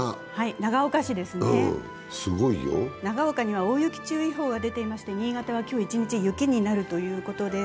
長岡には大雪注意報が出ていまして、新潟は今日一日雪になるということです。